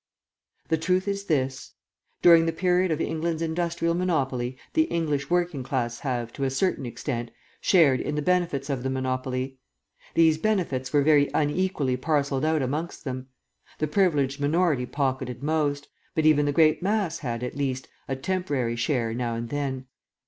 "The truth is this: during the period of England's industrial monopoly the English working class have, to a certain extent, shared in the benefits of the monopoly. These benefits were very unequally parcelled out amongst them; the privileged minority pocketed most, but even the great mass had, at least, a temporary share now and then.